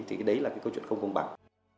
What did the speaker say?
thì đấy là cái câu chuyện không công bằng